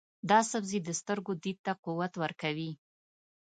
دا سبزی د سترګو دید ته قوت ورکوي.